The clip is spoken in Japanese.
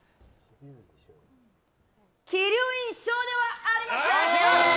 鬼龍院翔ではありません！